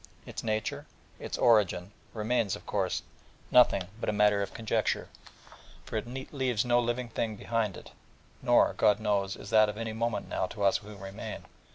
Its nature, its origin, remains, of course, nothing but matter of conjecture: for it leaves no living thing behind it: nor, God knows, is that of any moment now to us who remain.